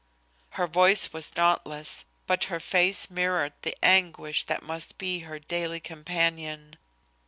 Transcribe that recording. Her voice was dauntless, but her face mirrored the anguish that must be her daily companion.